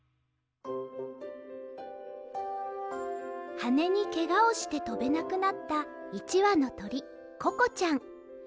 はねにけがをしてとべなくなった１わのとりココちゃん。